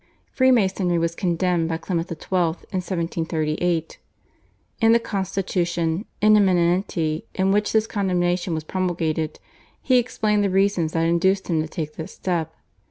Freemasonry was condemned by Clement XII. in 1738. In the constitution /In eminenti/, in which this condemnation was promulgated, he explained the reasons that induced him to take this step.